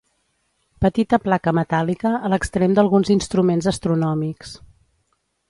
Petita placa metàl·lica a l'extrem d'alguns instruments astronòmics.